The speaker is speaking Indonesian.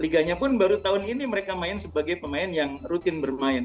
liganya pun baru tahun ini mereka main sebagai pemain yang rutin bermain